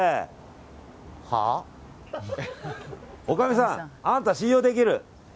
おかみさん、あなた信用できる。